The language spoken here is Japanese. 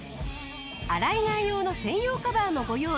洗い替え用の専用カバーもご用意。